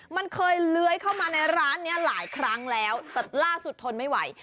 มันเคยเลื้อยเข้ามาในร้านนี้หลายครั้งแล้วแต่ล่าสุดทนไม่ไหว